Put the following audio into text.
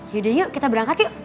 yaudah yuk kita berangkat yuk